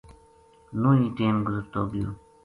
نوہی ٹیم گزرتو گیو